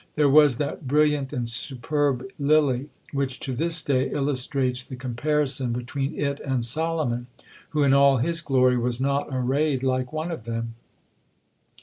There was that brilliant and superb lily, which, to this day, illustrates the comparison between it and Solomon, who, in all his glory, was not arrayed like one of them.